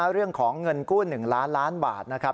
เรื่องของเงินกู้๑ล้านล้านบาทนะครับ